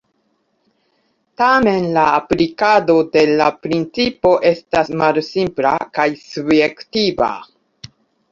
Tamen la aplikado de la principo estas malsimpla kaj subjektiva.